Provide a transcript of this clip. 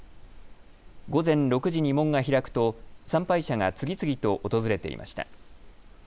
午前６時に門が開くと参拝者が次々と訪れていました。